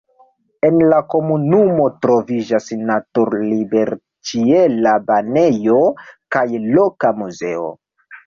En la komunumo troviĝas natur-liberĉiela banejo kaj loka muzeo.